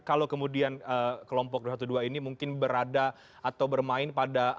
kalau kemudian kelompok dua ratus dua belas ini mungkin berada atau bermain pada